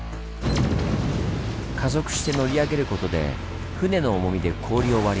加速して乗り上げることで船の重みで氷を割ります。